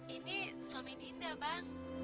ini suami dinda bang